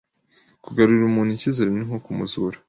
Kugarurira umuntu icyizere ni nko kumuzura,